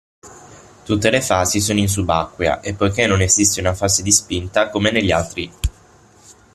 Tutte le fasi sono in subacquea e poiché non esiste una fase di spinta come negli altri.